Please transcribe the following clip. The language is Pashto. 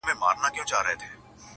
خو بېرېږم کار یې خره ته دی سپارلی!!